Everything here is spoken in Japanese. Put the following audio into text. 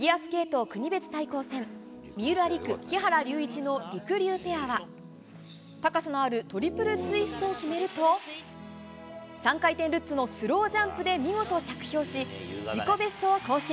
三浦璃来・木原龍一のりくりゅうペアは、高さのあるトリプルツイストを決めると、３回転ルッツのスロージャンプで見事着氷し、自己ベストを更新。